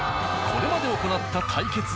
これまで行った対決では。